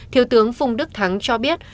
thiếu tướng phung đức thắng cho biết